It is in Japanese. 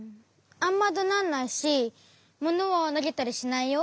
あんまどなんないしものはなげたりしないよ。